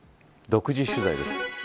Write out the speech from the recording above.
独自取材です。